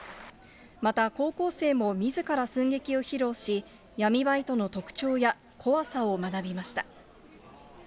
また高校生もみずから寸劇を披露し、闇バイトの特徴や、怖さを学びました。